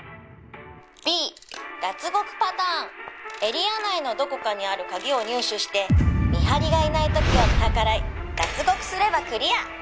「Ｂ脱獄パターン」「エリア内のどこかにある鍵を入手して見張りがいない時を見計らい脱獄すればクリア」